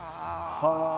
はあ。